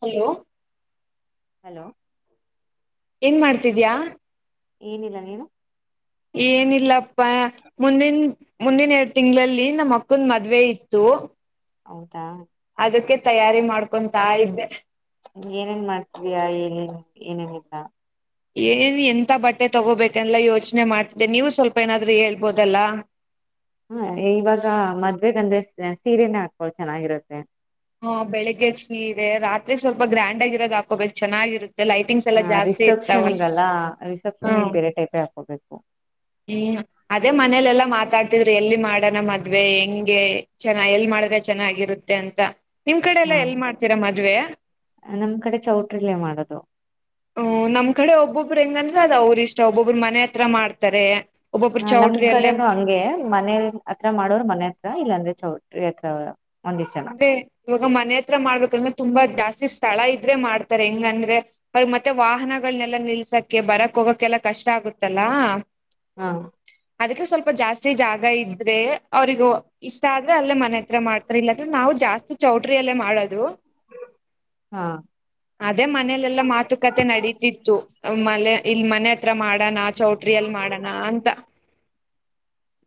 hello hello ಏನ್ ಮಾಡ್ತಿದ್ಯಾ ಏನಿಲ್ಲ ನೀನು ಏನಿಲ್ಲಪ್ಪಾ ಮುಂದಿನ ಮುಂದಿನ ಎರಡು ತಿಂಗಳಲ್ಲಿ ನಮ್ಮ ಅಕ್ಕನ್ ಮದ್ವೆ ಇತ್ತು ಹೌದಾ ಅದಕ ತಯಾರಿ ಮಾಡ್ಕೊತಾ ಇದ್ದೆ ಏನೇನ್ ಮಾಡ್ತವಯಾ ಏನನ್ ಏನೇನಿಲ್ಲಾ ಏನ್ ಎಂತ ಬಟ್ಟೆ ತಗೋಬೇಕಲ್ಲ ಯೋಚನೆ ಮಾಡ್ತಿದ್ದೆ ನೀವು ಸ್ವಲ್ಪ ಏನಾದ್ೂ ಹೇಳ್ಬೋದಲ್ಲ ಹಾ ಇವಾಗ ಮದ್ವೆಗ ಅಂದ್ರೆ ಸೀರೆನೇ ಹಾಕೊಳು ಚೆನ್ನಾಗಿರುತ್ತೆ ಹಾ ಬೆಳಿಗ್ಗೆದ್ ಸೀರೆ ರಾತ್ರಿ ಸ್ವಲ್ಪ ಗ್ರ್ಯಾಂಡ್ ಆಗಿರೋದ ಹಾಕೋಬೇಕು ಚೆನ್ನಾಗಿರುತ್ತೆ ಲೈಟಿಂಗ್ಸ್ ಎಲ್ಲ ಹ ಜಾಸ್ತಿ ಇರ್ತಾವಲ್ ರಿಸೆಪ್ಷನ್ಗಲ್ಲಾ ರಿಸೆಪ್ಷನ್ಗ ಬೇರೆ ಟೈಪೇ ಹಾಕೋಬೇಕು ಹ್ಮ ಅದೇ ಮನೇಲೆಲ್ಲಾ ಮಾತಾಡ್ ್ರ ಎಲ್ಲಿ ಮಾಡೋಣ ಮದ್ವೆ ಹೆಂಗೆ ಚೆ [unintelligible] ಎಲ್ಲಿ ಮಾಡ ಚೆನ್ನಾಗಿರುತ್ತೆ ಅಂತ ನಿಮ್ ಕಡೆ ಎಲ್ಲ ಎಲ್ ಹ ಮಾಡ್ತೀರಾ ಮದ್ವೆ ನಮ್ ಕಡೆ ಚೌಟ್ರಲ್ಲೇ ಮಾಡೋದು ಹ್ಮ್ ನಮ್ಮ್ ಕಡೆ ಒಬ್ಬೊಬ್ಬರು ಹೆಂಗಂದ್ರ ಅದ ಅವರು ಇಷ್ಟ ಒಬ್ಬೊಬ್ರು ಮನೆ ಹತ್ರ ಮಾಡ್ತಾರೆ ಒಬ್ಬೊಬ್ರು ಹ ನಮ್ ಚೌಟ್ರಿ ಅಲ್ಲೇ ಕಡೆನು ಹಂಗೆ ಮನೆ ಹತ್ರ ಮಾಡೋರ್ ಮನೆ ಹತ್ರ ಇಲ್ಲಾಂದ್ರೆ ಚೌಟ್ರಿ ಎತ್ರಾವರ [unintelligible] ಮತ್ತೆ ಮನೆ ಹತ್ರ ಮಾಡ್ಬೇಕಂದ್ರೆ ತುಂಬಾ ಜಾಸ್ತಿ ಸ್ಥಳ ಇದ್ರೆ ಮಾಡ್ತಾರೆ ಹೆಂಗ ಅಂದ್ರೆ ಮತ್ತೆ ವಾಹನ ಲ್ಲ ನಿಲ್ಸಕ್ಕೆೆ ಬರಕ್ ಹೋಗಕ್ಕೆೆಲ್ಲ ಕಷ್ಟ ಆಗುತ್ತಲ್ಲಾ ಹಾ ಅದಕ್ಕೆ ಸ್ವಲ್ಪ ಜಾಸ್ತಿ ಜಾಗ ಇದ್ರೆ ಅವ್ರಗೂ ಇಷ್ಟ ಆದ್ರೆ ಅಲ್ಲೇ ಮನೆ ಹತ್ರ ಮಾಡ್ತಾರ ಇಲ್ಲ ನಾವು ಜಾಸ್ತಿ ಚೌಟ್ರಿಯಲ್ಲೇ ಮಾಡೋದು ಹಾ ಅದೇ ಮನೇಲೆೆಲ್ಲಾ ಮಾತುಕತೆ ನಡೀತಿತ್ತು ಮಲೆ ಇಲ್ ಮನೆ ಹತ್ರ ಮಾಡಣಾ ಚೌಟ್ರಿಿಯಲ್ಲಿ ಮಾಡೋಣ ಅಂತ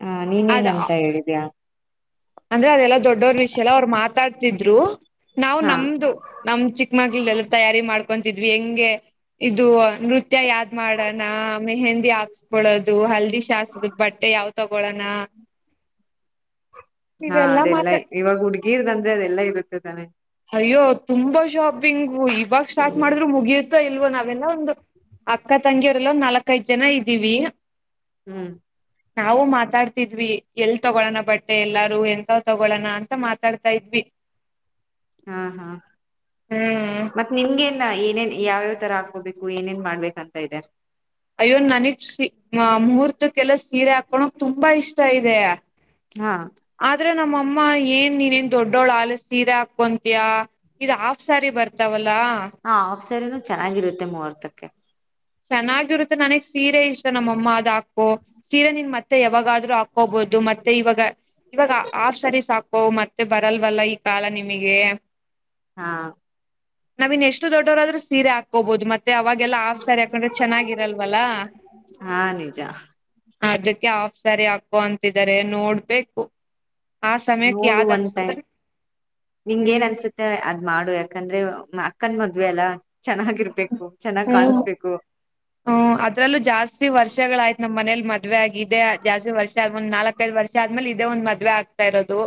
ಹ ಅದ ನೀನೇನಂತ ಹೇಳಿದ್ಯಾ ಅಂದ್ರೆ ಅದೆಲ್ಲಾ ದೊಡ್ಡವ್ರ ವಿಷಯ ಎಲ್ಲ ಅವ್ರು ಮಾತಾಡ್ತಿದ್ರು ನಾವು ಹಾ ನಮ್ದು ನಮ್ ಚಿಕ್ಕಮಗ್ಳ ಎಲ್ಲ ತಯಾರಿ ಮಾಡ್ಕ ಕೊಂತಿದ್ವಿ ಹೆಂಗೆ ಇದು ನೃತ್ಯ ತ್ಯ ಯಾದ್ ಮಾಡೋಣ ಮೆಹಂದಿ ಹಾಕ್ಸ್ಕೊಳೋದು ಹಲ್ದಿ ಶಾಸ್ದ ಬಟ್ಟೆ ಯಾವ್ ತಗೊಳಣ [unintelligible] ಹಾ ಅದೆಲ್ಲಾ ಇವಾಗ ಹುಡ್ಗೀರ್ದ್ದಂದ್ರೆ ಅದೆಲ್ಲಾ ಇರುತ್ತೆ ತಾನೆ ಅಯ್ಯೋ ತುಂಬಾ ಶಾಪಿಂಗ ಇವಾಗ ಸ್ಟಾರ್ಟ್ ಮಾಡಿದ್ರು ಮುಗಿಯುತ್ತ ಇಲ್ವೋ ನಾವೆಲ್ಲ ಒಂದು ಅಕ್ಕ ತಂಗಿಯರೆಲ್ಲ ನಾಲ್ಕೈದ್ ಜನ ಇದ್ದೀವಿ ಹ್ಮ್ ನಾವು ಮಾತಾಡ್ತವಿ ತಿದ್ವಿ ಎಲ್ ತಗೋಳಣ ಬಟ್ಟೆ ಎಲ್ಲಾರು ಎಂತಾವ್ ತಗೋಳೋಣ ಅಂತ ಮಾತಾಡ್ತಾ ಇದ್ವಿ ಹಾ ಹಾ ಹ್ಮ್ ಮತ್ತತ್ ನಿಮಗೆನ್ ಏನೇನ್ ಯಾವ್ಯಾವ ತರ ಹಾಕೋಬೇಕು ಏನೇನ್ ಮಾಡ್ಬೇಕಂತ ಇದೆ ಅಯ್ಯೋನ್ ನನಗ್ ಸಿ ಮುಹೂರ್ತಕ್ಕೆಲ್ಲ ಸೀರೆ ಹಾಕೋಳಕ್ ತುಂಬಾ ಇಷ್ಟ ಇದೆ ಹಾ ಆದ್ರೆ ನಮ್ಮ ಅಮ್ಮ ಏನ್ ನೀನ್ೇನ್ ದೊಡ್ಡೋಳ ಆಲ ಸೀರೆ ಹಾಕೊಂತಿಯಾ ಇ ಹಾಫ್ ಸಾರಿ ಬರ್ತಾವಲ್ಲ ಹ ಆಫ ಸ್ಯಾರಿನೂ ಚೆನ್ನಾಗಿರುತ್ತೆ ಮೂವರ್ತಕ್ಕೆ ಚೆನ್ನಾಗಿರುತ್ತೆ ನನಗ್ ಸೀರೆ ಇಷ್ಟ ನಮ್ಮಅಮ್ಮ ಅದ ಹಾಕು ಸೀರೆ ನಿನ್ ಮತ್ತೆ ಯಾವಾಗಾದ್ೂ ಹಾಕೋಬಹುದು ಮತ್ತೆ ಇವಾಗ ಇವಾಗ ಹಾಫ್ ಸ್ಯಾರಿ ಸಾಕು ಮತ್ತೆ ಬರಲ್ವಲ್ಲ ಈ ಕಾಲ ನಿಮಗೆ ಹಾ ನಾವ್ ಇನ್ ಎಷ್ಟು ದೊಡ್ಡವರಾದ್ರರು ಸೀರೆ ಹಾಕೋಬಹುದು ಮತ್ತೆ ಅವಾಗೆಲ್ಲ ಸಾರಿ ಹಾಕೊಂಡ್ರೆ ಚೆನ್ನಾಗಿರಲ್ವಲ್ಲ ಹಾ ನಿಜ ಅದಕ್ಕೆ ಆಫ್ ಸ್ಯಾರಿ ಹಕೋ ಅಂತಿದಿದ್ದಾರೆ ನೋಡ್ಬೇಕು ಆ ಸಮಯಕ್ಕೆ ನೋಡು ಯಾವ್ದ್ ಒನ್ ಟೈಮ್ ಅನ್ಸಿದ್ರೆ ನಿಂಗ ಏನ್ ಹ್ಮ್ ಅನ್ಸುತ್ತೆ ಅದ್ ಮಾಡು ಯಾಕಂದ್ರೆ ಕ್ಕಾನ್ ಮದ್ವೆ ಅಲ್ಲಾ ಇರ್ಬೇಕು ಚೆನ್ನಾಗ್ ಕಾಣ್ಬೇಕು ಹ [inaudible] ಹ್ಮ್ ಅದ್ರಲ್ಲೂ ಜಾಸ್ತಿ ವರ್ಷಗಳ ಆಯ್ತ ನಮ್ಮ ಮನೆಲೆ ಮದ್ವೆ ಆಗಿದೆ ಜಾಸ್ತಿ ವರ್ಷ ಆದಂದ್ ನಾಲ್ಕು ಕೆಲ್ ವರ್ಷ ಆದ್ಮೇಲೆ ಇದೇ ಒಂದ್ ಮದ್ವೆ ಆಗ್ತಾ ಇರೋದು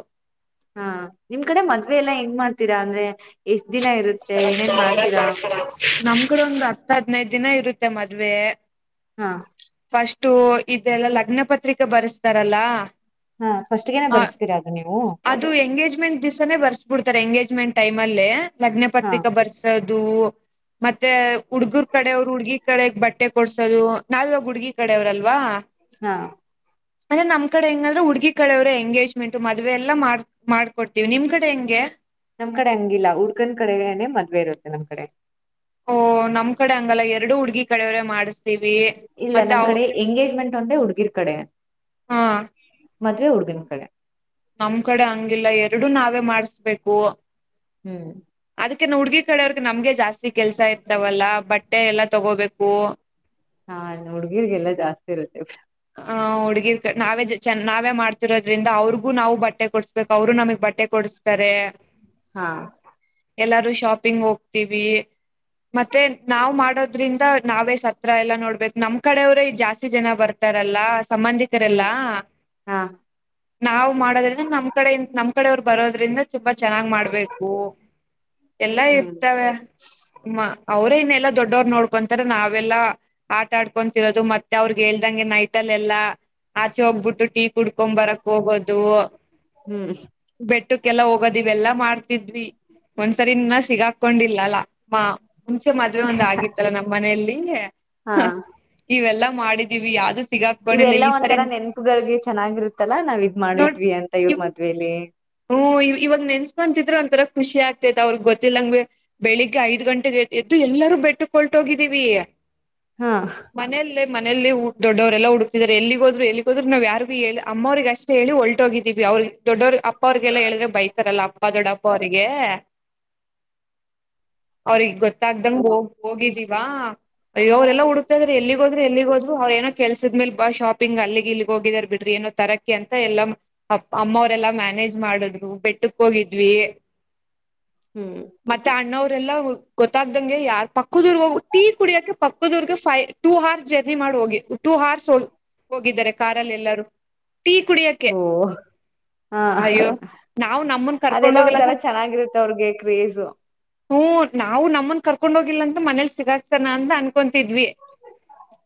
ಹಾ ನಿಮ್ ಕಡೆ ಮದ್ವೆ ಎಲ್ಲಾ ಹೆಂಗ್ ಮಾಡ್ತೀರಾ ಅಂದ್ರೆ ಎಷ್ಟ್ ದಿನ ಇರುತ್ತೆ [unintelligible] ಏನೇನ್ ಮಾಡ್ತೀರಾ ನಮ್ ಕೂಡ ಒಂದು ಹತ್ತ ಹದ್ನೈದ ದಿನ ಇರುತ್ತೆ ಮತ್ತೆ ಮದ್ವೆ ಹಾ ಫಸ್ಟು ಇದೆಲ್ಲ ಲಗ್ನ ಪತ್ರಿಕೆ ಬರೆಸ್ತಾರಲ್ಲ ಹಾ ಫಸ್ಟ್ಗೆನೆ ಹ ಬರ್ಸ್ತೀರಾ ಅದು ನೀವು ಅದು ಎಂಗೇಜ್ಮೆಂಟ್ ದಿವಸಾನೇ ಬರ್ಸ್ ಬಿಡ್ತಾರೆ ಎಂಗೇಜ್ಮೆಂಟ್ ಟೈಮ್ ಅಲ್ಲೇ ಲಗ್ನ ಹಾ ಪತ್ರಿಕೆ ಬರ್ಸೋದು ಮತ್ತೆ ಹುಡ್ಗರ್ ಕಡೆಯವರು ಹುಡ್ಗಿ ಕಡೆಗ್ ಬಟ್ಟೆ ಕೊಡ್ಸೋದು ನಾವ ಇವಾಗ ಹುಡ್ಗಿ ಕಡವ್ರಲ್ವಾ ಹಾ ಅಂದೆ ನಮ್ ಕಡೆ ಹೆಂಗೆ ಅಂದ್ರೆ ಹುಡುಗಿ ಕಡೆಯವರೇ ಎಂಗೇಜ್ಮೆಂಟ್ ಮದ್ವೆ ಎಲ್ಲಾ ಮಾಡ ಮಾಡ್ಕೊಡ್ತಿವಿ ನಿಮ್ ಕಡೆ ಹೆಂಗೆ ನಮ್ ಕಡೆ ಹಂಗಿಲ್ಲ ಹುಡ್ಕನ್ ಕಡೆನೆ ಮದ್ವೆ ಇರುತ್ತೆ ನಮ್ ಕಡೆ ಓ ನಮ್ ಕಡೆ ಹಂಗಲ್ಲ ಎರಡು ಹುಡ್ಗಿ ಕಡೆಯವ್ರೇ ಮಾಡ್ಸ್ ಇಲ್ಲ ನಮ್ ಕಡೆ ಎಂಗೇಜ್ಮೆಂಟ್ ಒಂದೇ ಹುಡುಗಿರ್ ಕಡೆ ಹಾ ಮದ್ವೆ ಹುಡುಗನ ಕಡೆ ನಮ್ ಕಡೆ ಹಂಗಿಲ್ಲ ಎರಡು ನಾವೇ ಮಾಡಸ್ಬೇಕು ಹ್ಮ್ ಅದಕ ಹುಡ್ಗಿ ಕಡೆಯವರ್ಗ್ ನಮ್ಗೆ ಜಾಸ್ತಿ ಕೆಲ್ಸ ಇರ್ತವಲ್ಲಾ ಬಟ್ಟೆ ಎಲ್ಲಾ ತಗೋಬೇಕು ಹಾ ಹುಡ್ಗಿರ್ರಿಗೆಲ್ಲಾ ಜಾಸ್ತಿ ಇರುತ್ತೆ ಬಿಡು ಹುಡುಗಿರ್ ನಾವೇ ನಾವೇ ಮಾಡ್ತಿರೋದ್ರಿಂದ ಅವ್ರಿಗೂ ನಾವು ಬಟ್ಟೆ ಕೊಡಡ್ಸ್ಬೇಕ ಅವರು ನಮಗ್ ಬಟ್ಟೆ ಬಟ್ಟೆ ಕೊಡಸ್ತಾರೆ ಹಾ ಎಲ್ಲಾರು ಶಾಪಿಂಗ್ ಹೋಗ್ತೀವಿ ಮತ್ತೆ ನಾವ್ ಮಾಡೋದ್ರಿಂದ ನಾವೇ ಸತ್ರ ಎಲ್ಲಾ ನೋಡ್ಬೇಕು ನಮ್ ಕಡೆವ್ರೇ ಜಾಸ್ತಿ ಜನ ಬರ್ತಾ ರಲ್ಲ ಸಂಬಂಧಿಕರೆಲ್ಲ ಹ್ಮ್ ಹಾ ನಾವ್ ಮಾಡೋದ್ರಿಂದ ನಮ್ ಕಡೆ ನಮ ಕಡೆವ್ರು ಬರೋದ್ರಿಂದ ತುಂಬಾ ಚೆನ್ನಾಗ್ ಮಾಡ್ಬೇಕು ಎಲ್ಲಾ ಹ್ಮ್ ಇರ್ತವೆ ಮ್ಮ ಅವ್ರೇನ್ನಲ್ಲಾ ದೊಡ್ಡವ್ರು ನೋಡ್ಕೊಂತಾರೆ ನಾವೆಲ್ಲಾ ಆಟ ಆಡ್ಕೊಂತತಿರೋದು ಮತ್ತೆ ಅವ್ರಗೆ ಗೆ ನೈಟಲ್ಲ ಎಲ್ಲಾ ಆಚೆ ಹೋಗ್ಬಿಟ್ಟು ಟೀ ಕುಡ್ಕೊ ಬರಕ್ ಹೋಗೋದು ಹ್ಮ್ ಬೆಟ್ಟಕ್ಕೆಲ್ಲ ಹೋಗೋದ ಇವೆಲ್ಲಾ ಮಾಡ್ತಿದ್ವಿ ಒಂದ್ಸರಿ ಸಿಗಾಕೊಂಡಿಲ್ಲಲ್ಲ ಮಾ ಮುಂಚೆ ಮದುವೆ ಒಂದ ಆಗಿತ್ತಲ್ಲ ನಮ್ಮ್ ಮನೆಯಲ್ಲಿ ಹಾ ಇವೆಲ್ಲಾ ಮಾಡಿದೀವಿ ಯಾವ ಸಿಗ [inaudible] ಇವೆಲ್ಲಾ ಒಂತರಾ ನೆನ್ಪುಗಳಿಗೆ ಚೆನ್ನಾಗಿರುತ್ತಲ್ಲಾ ನಾವ್ ಇದ್ ನೋಡ್ ಮಾಡಿದ್ವಿ ಅಂತ ಇವ್ರ ಮದುವೇಲಿ ಹ್ಮ್ ಇವಾಗ ನೆನ್ಸ್ಕಂತಿದ್ರೆ ಒಂತರ ಖುಷಿ ಆಗ್ತೈತ್ ಅವ್ರಗ್ ಗೊತ್ತಿಲ್ಲಂಗಗೆ ಬೆಳಿಗ್ಗೆ ಐದ ಗಂಟೆಗೆ ಎದ್ದು ಎಲ್ಲರೂ ಬೆಟ್ಟುಕಳ್ಟೋಗಿದ್ದೀವಿ ಹಾ ಮನೇಲಿ ಎಲ್ಲಾ ಮನೇಲಿ ದೊಡ್ಡವರೆಲ್ಲ ಹುಡುಕ್ತಿದ್ದಾರೆ ಎಲ್ಲಿಗೆ ಹೋದರು ಎಗೆ ಹೋದ್ರರು ನಾವ ಯಾರು ಹೇಳಿ ಅಮ್ಮರಿಗೆ ಅಷ್ಟೇ ಹೇಳಿ ಹೊಲ್ಟ ಹೋಗಿದ್ದೀವಿ ಅವ್ರರು ದೊಡ್ಡವರು ಅಪ್ಪಾ ದೊಡ್ಡಪ್ಪ ಅವರಿಗೆ ಅವ್ರಗ್ ಗೊತ್ತಾಗ್ದಂಗ ಹೋಗ ಹೋಗಿದೀವಾ ಅಯ್ಯೋ ಅವರ ಎಲ್ಲಾ ಹುಡುಕ್ತಾ ಇದಾರೆ ಎಲ್ಲಿಗೆ ಹೋದ್ರು ಎಲ್ಲಿಗ ಹೋದ್ರು ಅವ್ರ ಏನೋ ಕೆಲ್ಸದ ಮೇಲ್ ಬಾ ಶಾಪಿಂಗ್ ಅಲ್ಲಿಗೆ ಇಲ್ಲಿಗ್ ಹೋಗಿದಾರ್ ಬಿಡ್ರಿ ತರಕೆ ಅಂತ ಎಲ್ಲ ಅಮ್ಮ ಅವರೆಲ್ಲ ಮ್ಯಾನೇಜ್ ಮಾಡದ್ರು ಬೆಟ್ಟಕ್ ಹೋಗಿದ್ವಿ ಹ್ಮ್ ಮತ್ತೆ ಅಣ್ಣರೂ ಗೊತ್ತಾಗ್ದಂಗೆ ಯಾರ ಪಕ್ಕದೂರ್ ಹೋಗ ಟೀ ಕುಡಿಯಕ್ಕೆ ಪಕ್ಕದೂರ್ಗೆ ಫೈ ಟೂ ಹರ್ಸ್ ಜರ್ನಿ ಮಾಡ ಹೋಗಿ ಟೂ ಹಾರ್ಸ್ ಹ ಹೋಗಿದ್ದಾರೆ ಕಾರಲ್ಲಿ ಎಲ್ಲಾರೂ ಟೀ ಕುಡಿಯಕ್ಕೆ ಓ ಹಾ ಅಯ್ಯೋ ನಾವು ನಮ್ಮನ್ ಕರ್ಕೊಂಡ್ ಅದೆಲ್ಲಾ ಹೋಗಲ್ಲ ಒಂಥರ ಸರ್ ಚೆನ್ನಾಗಿರುತ್ತೆ ಅವ್ರಿಗೆ ಕ್ರೇಜು ಹ್ಮ ನಾವು ನಮ್ಮನ್ ಕರ್ಕೊಂಡ್ ಹೋಗಿಲ್ಲ ಅಂತ ಮನೇಲಿ ಸಿಗಾಗಸಾನ ಅಂತ ಅನ್ಕೊಂತಿದ್ವಿ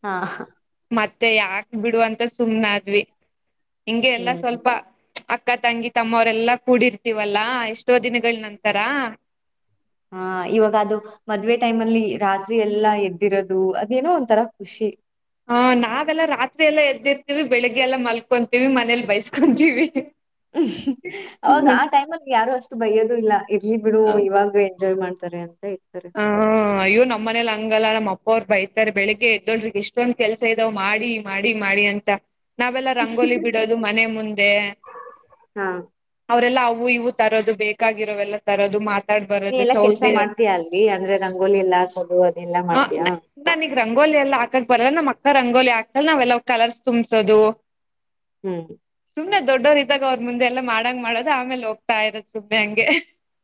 ಹಾ ಮತ್ತೆ ಯಾಕ್ ಬಿಡುು ಅಂತ ಸುಮ್ನೆ ಆದ್ವಿ ಹಿಂಗೆ ಎಲ್ಲಾ ಹ್ಮ್ ಹ್ಮ್ ಸ್ವಲ್ಪ ಅಕ್ಕ ತಂಗಿ ತಮ್ಮವರೆಲ್ಲಾ ಕೂಡಿರ್ತೀವಲ್ಲಾ ಎಷ್ಟೋ ದಿನಗಳ ನಂತರ ಹಾ ಇವಾಗ ಅದು ಮದ್ವೆ ಟೈಮ್ ಅಲ್ಲಿ ರಾತ್ರಿ ಎಲ್ಲಾ ಎದ್ದಿರೋದು ಅದೇನೋ ಒಂತರ ಖುಷಿ ಹಾ ನಾವೆಲ್ಲಾ ರಾತ್ರಿ ಎಲ್ಲಾ ಎದ್ದಿರ್ತೀವಿ ಬೆಳಿಗ್ಗೆ ಎಲ್ಲಾ ಮಲ್ಕೊಂತೀವಿ ಮನೇಲ್ ಬೈಸ್ಕೊಂತೀವಿ ಹ್ಮ ಅವಾಗ ಆ ಹ ಟೈಮ್ಲ್ಲಿ ಯಾರು ಅಷ್ಟು ಬೈಯ್ಯೋದು ಇಲ್ಲ ಇರ್ಲಿ ಬಿಡು ಇವಾಗ ಎಂಜಾಯ್ ಮಾಡ್ತಾರೆ ಇರ್ತಾರೆ ಹ ಅಯ್ಯೋ ನಮ್ಮ ಮನೇಲಿ ಹಂಗಲ್ಲ ನಮ್ಮ ಅಪ್ಪ ಅಪ್ಪೊರು ಬೈತಾರೆ ಬೆಳಿಗ್ಗೆ ಎದ್ದೋಳ್ರಗ್ ಎಷ್ಟೊಂದ್ ಕೆಲ್ಸ ಇದಾವ್ ಮಾಡಿ ಮಾಡಿ ಮಾಡಿ ಅಂತ ನಾವೆಲ್ಲ ರಂಗೋಲಿ ಬಿಡೋದು ಮನೆ ಮುಂದೆ ಹಾ ಅವರೆಲ್ಲ ಇವು ತರೋದು ಬೇಕಾಗಿರೋವೆಲ್ಲ ತರೋದು ಮಾತ್ರ ನೀ ಎಲ್ಲಾ ಕೆಲ್ಸ ಮಾಡ್ತಿಯ ಅಲ್ಲಿ ಅಂದ್ರೆ ರಂಗೋಲಿ ಎಲ್ಲಾ ಹಾಕೋದು ಅದೆಲ್ಲಾ ಹ ಮಾಡ್ತಯಾ ನನಗ್ ರಂಗೋಲಿ ಎಲ್ಲ ಹಾಕಕ್ ಬರಲ್ಲ ನಮ್ಮ್ ಅಕ್ಕ ರಂಗೋಲಿ ಹಾಕ್ತಲ್ ನಾವೆಲ್ಲ ಕಲರ್ಸ್ ತುಂಬ್ಸೋದು ಹ್ಮ್ ದೊಡ್ಡೋವ್ರು ಇದ್ದಾಗ ಅವ್ರ ಮುಂದೆ ಎಲ್ಲ ಮಾಡಂಗ ಮಾಡೋದು ಆಮೇಲೆ ಹೋಗ್ತಾ ಇರದು ಸುಮ್ಮನೆ ಹಂಗೆ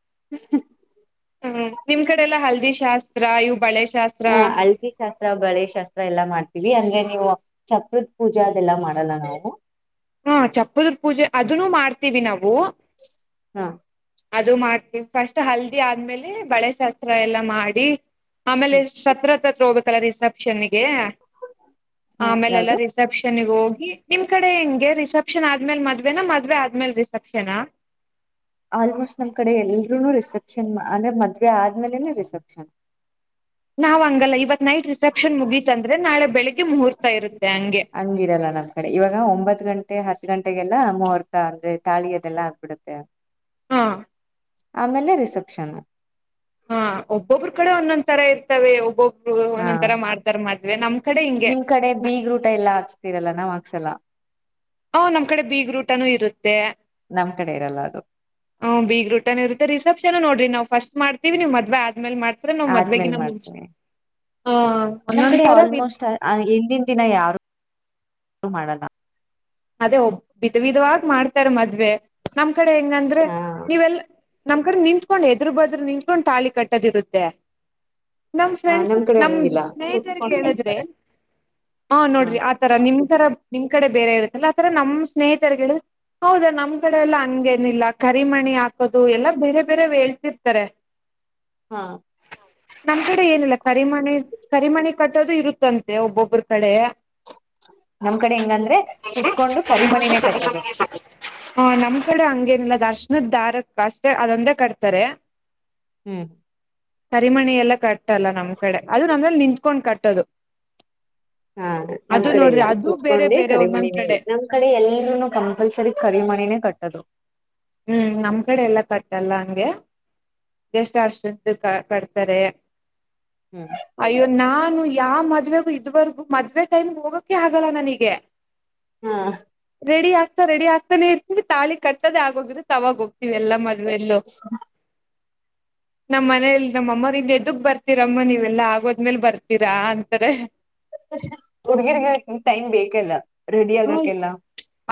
[unintelligible] ಹ್ಮ್ ನಿಮ್ ಕಡೆ ಎಲ್ಲಾ ಹಲ್ದಿ ಶಾಸ್ತ್ರ ಇವು ಬಳೆ ಶ ಹಾ [unintelligible] ಶಾಸ್ತ್ರ ಬಳೆ ಶಾಸ್ತ್ರ ಎಲ್ಲಾ ಮಾಡ್ತೀವಿ ಹಂಗೆ ನೀವು ಚಾಪ್ರದ್ ಪೂಜೆ ಅದೆಲ್ಲಾ ಮಾಡಲ್ಲ ನಾವು ಹಾ ಚಪ್ಪದ ಪೂಜೆ ಅದನ್ನು ಮಾಡ್ತೀವಿ ನಾವು ಹ ಅದು ಮಾಡ್ತೀವಿ ಫಸ್ಟ್ ಹಲ್ದಿ ಆದ್ಮೇಲೆ ಬಳೆ ಶಸ್ತ್ರ ಎಲ್ಲ ಮಾಡಿ ಆಮೇಲೆ ಹ್ಮ್ ಶತ್ರ ಹತ್ರ ಅತ್ರ ಹೋಗ್ಬೇಕಲ್ಲ ರಿಸೆಪ್ಷನ್ಗೆ ಗೆ ಹ ಆಮೇಲೆಲ್ಲ ಯಾವ್ದು ರಿಸೆಪ್ಷನ್ ಹೋಗಿ ನಿಮ್ ಕಡೆ ಹೆಂಗೆ ರಿಸೆಪ್ಷನ್ ಆದ್ಮೇಲೆ ಮದ್ವೆನಾ ಮದ್ವೆ ಆದ್ಮೇಲೆ ರಿಸೆಪ್ಷನಾ ಆಲ್ಮೋಸ್ಟ್ ನಮ್ ಕಡೆ ಎಲ್ರುೂ ರಿಸೆಪ್ಷನ್ ಅಂದ್ರೆ ಮದ್ವೆ ಆದ್ಮೇಲೆನೆ ರಿಸೆಪ್ಷನ್ ನಾವ್ ಹಂಗಲ್ಲ ಇವತ್ ನೈಟ್ ರಿಸೆಪ್ಷನ್ ಮುಗೀತಂದ್ರೆ ನಾಳೆ ಬೆಳಿಗ್ಗೆ ಮುಹೂರ್ತ ಇರುತ್ತೆ ಹಂಗೆ ಹಂಗಿರಲ್ಲ ನಮ್ ಕಡೆ ಇವಾಗ ಒಂಬತ್ ಗಂಟೆ ಗೆ ಹತ್ ಗಂಟೆಗೆಲ್ಲಾ ಮೂಹುರ್ತ ಅಂದ್ರೆ ತಾಳಿ ಅದೆಲ್ಲಾ ಆಗ್ಬಿಡುತ್ತೆ ಹಾ ಆಮೇಲೆ ರಿಸೆಪ್ಷನ್ ಹಾ ಒಬ್ಬೊಬ್ರ ಕಡೆ ಒಂದೊಂದ್ ತರ ಇರ್ತವೆ ಒಬ್ಬೊಬ್ [unintelligible] ಹಾ ಒಂದೊಂದ್ ಮಾಡ್ತಾರೆ ಮದ್ವೆ ನಮ್ ಕಡೆ ಹಿಂಗೆ ನಿಮ್ ಕಡೆ ಬೀಗ್ರೂಟ ಎಲ್ಲಾ ಹಾಕ್ಸ್ತಿರಲ್ಲ ನಾವ್ ಹಾಕ್ಸಲ್ಲ ಹ ನಮ್ ಕಡೆ ಬೀಗ್ರೂಟ ನು ಇರುತ್ತೆ ನಮ್ ಕಡೆ ಇರಲ್ಲ ಅದು ಹ ಬೀಗ್ರೂಟ ನು ಇರುತ್ತೆ ರಿಸೆಪ್ಷನ್ ನೋಡ್ರಿ ನಾವು ಫಸ್ಟ್ ಮಾಡ್ತೀವಿ ನೀವ್ ಮದ್ವೆ ಆದ್ಮೇಲೆ ಮಾಡ್ತೀರಾ ನಾವ್ ಆದ್ಮೇಲ್ ಮದ್ವೆಗಿನ್ನಾ ಮುಂಚೆ ಮಾಡ್ತೀನಿ ಹ ನಮ್ ಒಂದೊಂದ್ ಕಡೆ ತರ ಆಲ್ಮೋಸ್ಟ್ ಹಿಂದಿನ ದಿನ ಯಾರು [unintelligible] ಮಾಡಲ್ಲ ಅದೇ ಒಬ್ ವಿಧ ವಿಧವಾಗಿ ಮಾಡ್ತಾರ ಮದ್ವೆ ನಮ್ ಕಡೆ ಹೆಂಗಂದ್ರೆ ಹಾ ನೀವೆಲ್ಲ ನಮ್ ಕಡೆ ನಿಂತ್ಕೊಂಡ್ ಎದರು ಬದುರು ನಿಂತ್ಕೊಂಡ್ ತಾಳಿ ಕಟ್ಟದಿರುತ್ತೆ ನಮ್ ಹ ಫ್ರೆಂಡ್ಸ್ ಕಡೆ ನಮ್ ಹಂಗಿಲ್ಲ ಸ್ನೇಹಿತರಿಗೆ ಕುತ್ಕೊಂಡ್ ಹೇಳಿದ್ರೆ ಕಟ್ತಾರೆ ಹಾ ಹ ನೋಡ್ರಿ ಆತರ ನಿಮ್ ತರ ನಿಮ್ ಕಡೆ ಬೇರೆ ಇರುತ್ತ ಆತರ ನಮ್ ಸ್ನೇಹಿತ [unintelligible] ಹೌದಾ ನಮ್ ಕಡೆ ಎಲ್ಲಾ ಹಂಗೇನಿಲ್ಲ ಕರಿಮಣಿ ಹಾಕೋದು ಎಲ್ಲಾ ಬೇರೆ ಬೇರೆವ್ ಹೇಳ್ತಿರ್ತಾರೆ ಹಾ ನಮ್ ಕಡೆ ಏನಿಲ್ಲ ಕರಿಮಣಿ ಕರಿಮಣಿ ಕಟ್ಟೋದು ಇರುತ್ತಂತೆ ಒಬ್ಬೊಬ್ರ ಕಡೆ ನಮ್ ಕಡೆ ಹೆಂಗಂದ್ರೆ ಕುತ್ಕೊಂಡು ಕರಿಮಣಿನೇ ಕಟ್ಟೋದು ಹ ನಮ್ ಕಡೆ ಹಂಗೇನಿಲ್ಲ [unintelligible] [unintelligible] ದಾರಕ್ಕ ಅಷ್ಟೇ ಅದೊಂದೇ ಕಟ್ತಾರೆ ಹ್ಮ್ ಕರಿಮಣಿ ಎಲ್ಲ ಕಟ್ಟಲ್ಲ ನಮ್ ಕಡೆ ಅದು ನಾಂದ್ರಲ್ಲಿ ನಿಂತ್ಕೊಂಡ್ ಕಟ್ಟೋದು ಹಾ ನಮ್ ಅದು ಕಡೆ ಇಲ್ಲ ನೋಡ್ರಿ ಅದು ಬೇರೆ ಕುತ್ಕೊಂಡಿ ಬೇರೆ ಒಂದೊಂದ್ ಕರಿಮಣಿನೇ ಇಲ್ಲ ಕಡೆ ನಮ್ ಕಡೆ ಎಲ್ರುೂನು ಕಂಪಲ್ಸರಿ ಕರಿಮಣಿನೇ ಕಟ್ಟೋದು ಹ್ಮ್ ನಮ್ ಕಡೆ ಎಲ್ಲ ಕಟ್ಟಲ್ಲ ಹಂಗೆ ಎಷ್ಟ ಹರ್ಷಿಣದ್ದ ಕಡ್ತಾರೆ ಹ್ಮ್ ಅಯ್ಯೋ ನಾನು ಯಾರ್ ಮದ್ವೆಗೂ ಇದುವರೆಗೂ ಮದುವೆ ಟೈಮ್ ಗೆ ಹೋಗಕ್ಕೆ ಆಗಲ್ಲ ನನಗೆ ಹ್ಮ ರೆಡಿ ಆಗ್ತಾ ರೆಡಿ ಆಗ್ತಾನೆ ಇರ್ತಿವಿ ತಾಳಿ ಕಟ್ಟೋದೇ ಅಗೋಗಿರ್ ತದೇ ಅವಾಗ ಹೋಗ್ತತಿವಿ ಎಲ್ಲ ಮ ವೆಲ್ಲು ನಮ್ ಮನೇಲಿ ನಮ್ಮಮ್ಮ ಇನ್ ಏದುಕ್ ಬರ್ತೀರಮ್ಮ ನೀವೆಲ್ಲಾ ಆಗೋದ್ಮೇಲ್ ಬರ್ತೀರಾ ಅಂತಾರೆ ಹುಡ್ಗೀರ್ಗ ಟೈಮ್ ಬೇಕೆಲ್ಲ ರೆಡಿ ಆಗಕೆಲ್ಲ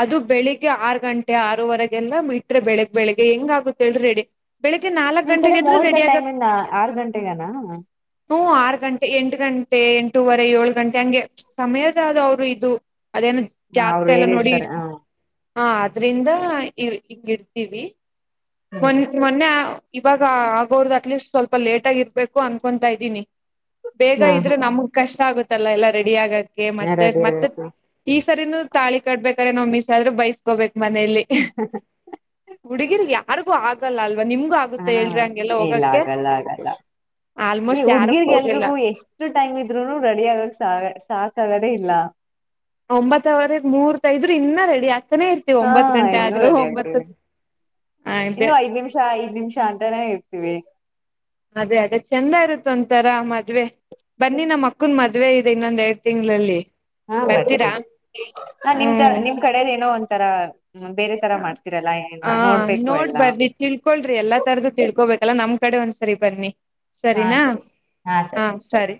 ಅದು ಬೆಳಿಗ್ಗೆ ಆರು ಗಂಟೆ ಆರವರೆಗೆಿಂದ ಇಟ್ರೆ ಬೆಳಿಗ್ ಬೆಳಿಗ್ಗೆ ಹೆಂಗ ಆಗುತ್ತ ಹೇಳಿ ರೆಡಿ ಬೆಳಿಗ್ಗೆ ನಾಲ್ಕ್ ನಿಮ್ ಕಡೆ ಗಂಟೆಗೆ ಎದ್ರು ಮೂರ್ತ ರೆಡಿ ಆಗಕ್ ಟೈಮಿಂದ ಆರ್ ಗಂಟೆಗನಾ ಹ್ಮ ಆರು ಗಂಟೆ ಎಂಟು ಗಂಟೆ ಎಂಟೂವರೆ ಏಳು ಗಂಟೆ ಹಂಗೆ ಸಮಯದ ಆದ ಅವ್ರು ಇದು ಅದೇನ ಜಾತಕ ಅವ್ರು ಎಲ್ಲ ನೋಡಿ ಹೇಳಿರ್ತಾರೆ ಇಡ್ತವಿ ಹ ಹಾ ಆದದ್ರಿಂದ ಹ ಇಡ್ತೀವಿ ಮೊ ಹ್ಮ್ ಮೊನ್ನೆ ಇವಾಗ ಆಗೋರ್ದ ಅಟ್ಲೀಸ್ಟ್ ಸ್ವಲ್ಪ ಲೇಟ್ ಆಗಿರ್ಬೇಕು ಅನ್ಕೊಂತಾ ಇದ್ದೀನಿ ಬೇಗ ಹಾ ಇದ್ರೆ ನಮಗ್ ಕಷ್ಟ ಆಗುತ್ತಲ್ಲ ಎಲ್ಲ ರೆಡಿ ಆಗಕ್ಕೆ ಹಾ ಮತ್ತೆ ರೆಡಿ ಮತ್ತೆ ಆಗೈತಿ ಈ ಸರಿನ ತಾಳಿ ಕಟ್ಬೇಕ್ರ ನಾವ್ ಮಿಸ್ ಆದ್ರೆ ಬೈಸ್ಕೋಬೇಕಕ್ ಮನೇಲಿ ಹುಡುಗಿರ್ಗ ಅರಕ್ಕೂ ಆಗಲ್ಲಲ್ ಹಾ ಇಲ್ಲ ಆಗಲ್ಲ ಆಗಲ್ಲ ಈ ಆಲ್ಮೋಸ್ಟ್ ಯಾರಕ್ ಹುಡ್ಗಿರ್ಗೆ ಹೋಗಿಲ್ಲ ಎಲ್ರಿಗೂ ಎಷ್ಟು ಟೈಮ್ ಇದ್ರುನು ರೆಡಿ ಆಗಕ್ ಸಾ ಸಾಕಾಗತ್ತ ಅೇ ಇಲ್ಲ ಒಂಬತ್ತ ಅವ್ರ ಮೂರ್ತ್ೈದ್ ಇನ್ನ ರೆಡಿ ಆ ಹಾ ಇನ್ನೂರು ಅಡಿ ಆಗ್ತೇವಿ ಹ ಇದೆ ಇನ್ನು ಐದ್ ನಿಮಿಷ ಐದ್ ನಿಮಿಷ ಅಂತಾನೇ ಹೇರ್ತೀವಿ ಅದೇ ಅದೇ ಚಂದ ಇರುತ್ತ ಒಂತರ ಮದ್ವೆ ಬನ್ನಿ ನಮ್ಮ ಅಕ್ಕನ್ ಮದ್ವೆ ಇದೆ ಇನ್ನೊಂದ್ ಎರಡ್ ತಿಂಲ್ಲಿ ಹಾ ಬರ್ತೇವಿ ಹ ನಿಮ್ ಹ್ಮ್ ನಿಮ್ ಕಡೆದ ಏನೋ ಒಂಂತರ ಹ ನೋಡ್ ಎಲ್ಲ ಬರ್ರಿ ತಿಳ್ಕೊಳ್ರಿ ಎಲ್ಲಾ ತರದ್ದು ತಿಳ್ಕೋಬೇಕಲ್ಲ ನಮ ಕಡೆ ಒಂದ್ಸರಿ ಬನ್ನಿ ಸರಿನಾ ಹಾ ಸರಿ